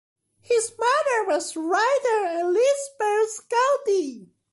His mother was writer Elizabeth Goudie.